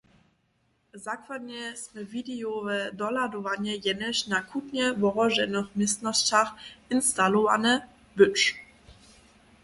Zakładnje smě widejowe dohladowanje jenož na chutnje wohroženych městnosćach instalowane być.